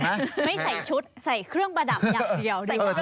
ไม่ใส่ชุดใส่เครื่องประดับอย่างเดียว